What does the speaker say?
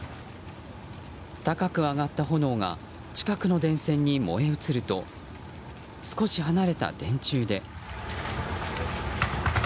高く上がった炎が近くの電線に燃え移ると少し離れた電柱で。